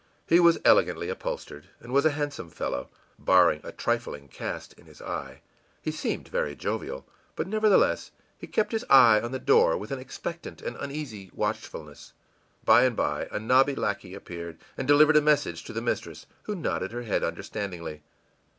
He was elegantly upholstered, and was a handsome fellow, barring a trifling cast in his eye. He seemed very jovial, but nevertheless he kept his eye on the door with an expectant and uneasy watchfulness. By and by a nobby lackey appeared, and delivered a message to the mistress, who nodded her head understandingly.